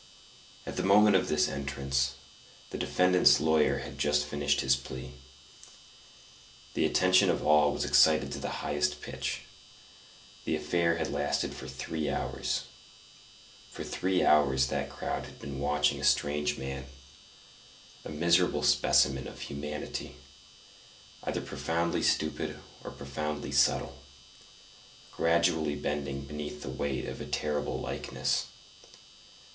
At the moment of this entrance, the defendant's lawyer had just finished his plea. The attention of all was excited to the highest pitch; the affair had lasted for three hours: for three hours that crowd had been watching a strange man, a miserable specimen of humanity, either profoundly stupid or profoundly subtle, gradually bending beneath the weight of a terrible likeness.